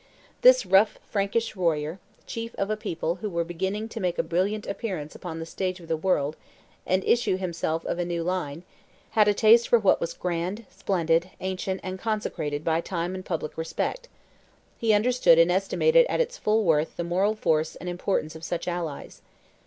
This rough Frankish warrior, chief of a people who were beginning to make a brilliant appearance upon the stage of the world, and issue himself of a new line, had a taste for what was grand, splendid, ancient, and consecrated by time and public respect; he understood and estimated at its full worth the moral force and importance of such allies.